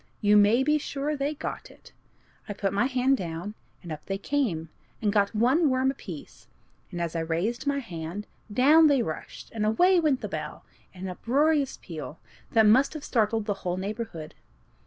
You may be sure they got it. I put my hand down, and up they came, and got one worm apiece; and as I raised my hand, down they rushed, and away went the bell, in an uproarious peal, that must have startled the whole neighborhood.